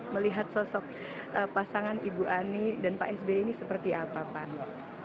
melihat sosok pasangan ibu ani dan pak sby ini seperti apa pak